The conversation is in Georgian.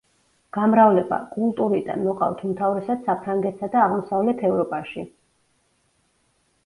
გამრავლება: კულტურიდან, მოყავთ უმთავრესად საფრანგეთსა და აღმოსავლეთ ევროპაში.